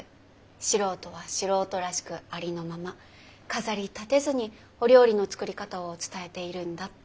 素人は素人らしくありのまま飾りたてずにお料理の作り方を伝えているんだって。